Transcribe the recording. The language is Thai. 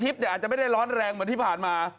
คลิปเนี่ยอาจจะไม่ได้ร้อนแรงเหมือนที่ผ่านมา